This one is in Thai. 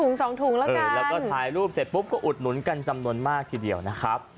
สองถุงแล้วกันแล้วก็ถ่ายรูปเสร็จปุ๊บก็อุดหนุนกันจำนวนมากทีเดียวนะครับ